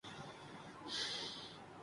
کیا آپ اپنا پاسورڈ بھول گئے ہیں